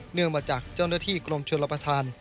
เนื่องมาจากเจ้าหน้าที่กลมชลประทาน